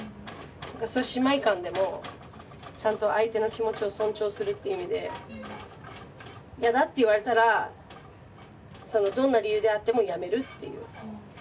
そういう姉妹間でもちゃんと相手の気持ちを尊重するっていう意味でやだって言われたらどんな理由であってもやめるっていう。